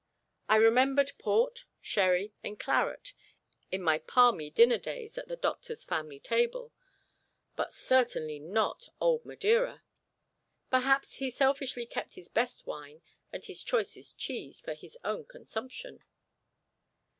I remembered Port, Sherry, and Claret in my palmy dinner days at the doctor's family table; but certainly not Old Madeira. Perhaps he selfishly kept his best wine and his choicest cheese for his own consumption.